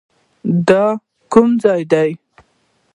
دا کوم ځای دی؟